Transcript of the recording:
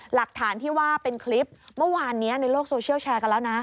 หลักฐานที่ว่าเป็นคลิปเมื่อวานนี้ในโลกโซเชียลแชร์กันแล้วนะ